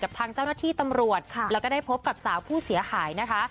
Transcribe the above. ทางเจ้าหน้าที่ตำรวจแล้วก็ได้พบกับสาวผู้เสียหายนะคะ